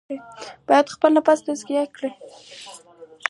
باید خپل نفس تزکیه کړي.